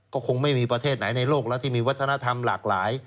ก็คงไม่มีประเทศไหนในโลกแล้วที่มีวัฒนธรรมหลากหลาย